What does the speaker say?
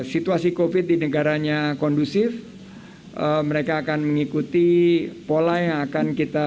situasi covid di negaranya kondusif mereka akan mengikuti pola yang akan kita